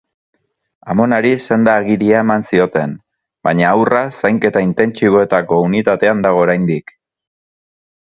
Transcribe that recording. Amonari senda-agiria eman zioten, baina haurra zainketa intentsiboetako unitatean dago oraindik.